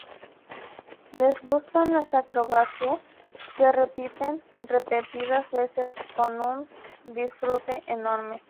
Les gustan las acrobacias, que repiten repetidas veces con un disfrute enorme.